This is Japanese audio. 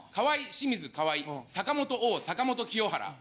清水川相坂本王坂本清原。